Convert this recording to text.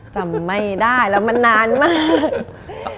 จำไม่ได้แล้วมันนานมาก